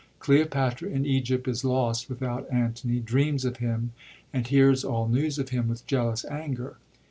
Cleopatra in Egypt is lost without Antony, dreams of him, and hears all news of him with jealous anger.